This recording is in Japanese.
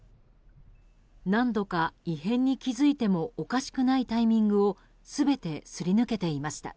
何度か異変に気づいてもおかしくないタイミングを全てすり抜けていました。